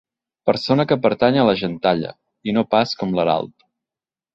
Persona que pertany a la gentalla, i no pas com l'herald.